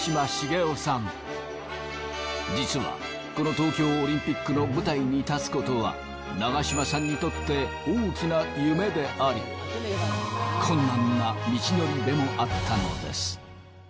実はこの東京オリンピックの舞台に立つ事は長嶋さんにとって大きな夢であり困難な道のりでもあったのです。